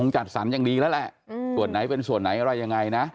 จัดสรรอย่างดีแล้วแหละส่วนไหนเป็นส่วนไหนอะไรยังไงนะ